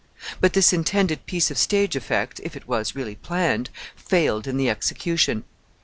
But this intended piece of stage effect, if it was really planned, failed in the execution.